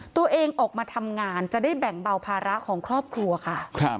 ตัวเองออกมาทำงานจะได้แบ่งเบาภาระของครอบครัวค่ะ